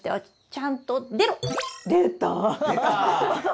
ちゃんと出ろって。